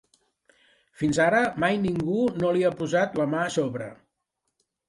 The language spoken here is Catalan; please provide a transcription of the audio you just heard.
Fins ara mai ningú no li ha posat la mà a sobre.